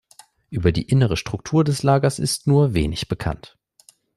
Über die innere Struktur des Lagers ist nur wenig bekannt.